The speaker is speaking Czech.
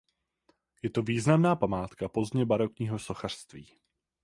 Je to významná památka pozdně barokního sochařství.